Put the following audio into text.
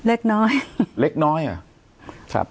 เล็กน้อยเล็กน้อยเหรอครับ